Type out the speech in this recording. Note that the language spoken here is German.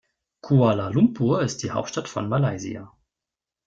Kuala Lumpur ist die Hauptstadt von Malaysia.